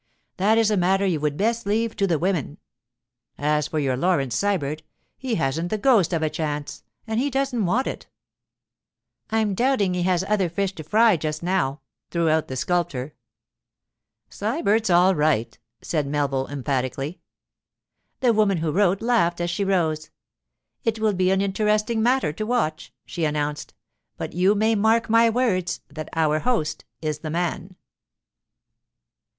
That is a matter you would best leave to the women. As for your Laurence Sybert, he hasn't the ghost of a chance—and he doesn't want it.' 'I'm doubting he has other fish to fry just now,' threw out the sculptor. 'Sybert's all right,' said Melville emphatically. The woman who wrote laughed as she rose. 'It will be an interesting matter to watch,' she announced; 'but you may mark my words that our host is the man.